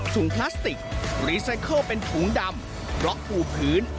พลาสติกรีไซเคิลเป็นถุงดำบล็อกปูพื้น